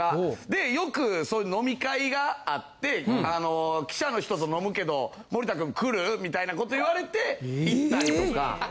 でよくそういう飲み会があって記者の人と飲むけど森田くん来る？みたいなこと言われて行ったりとか。